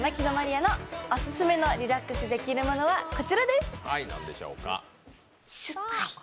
愛のオススメのリラックスできるものはこちらです。